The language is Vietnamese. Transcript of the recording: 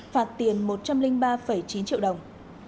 phạt tiền một trăm linh ba chín triệu đồng